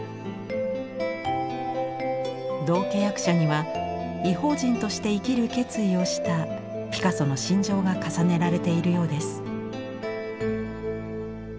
道化役者には異邦人として生きる決意をしたピカソの心情が重ねられているようです。